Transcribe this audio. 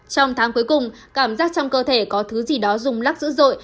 trong tháng cuối cùng cảm giác trong cơ thể có thứ gì đó dùng lắc dữ dội